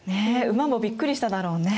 馬もびっくりしただろうね。